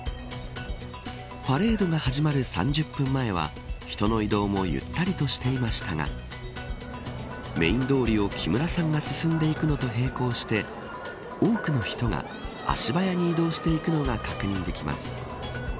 パレードが始まる３０分前は人の移動もゆったりとしていましたがメーン通りを木村さんが進んでいくのと並行して多くの人が、足早に移動していくのが確認できます。